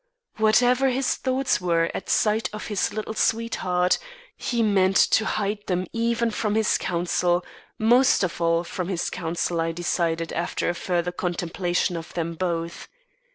Whatever his thoughts were at sight of his little sweetheart, he meant to hide them even from his counsel most of all from his counsel, I decided after further contemplation of them both.